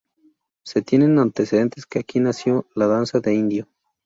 Se tienen antecedentes que aquí nació la danza de indio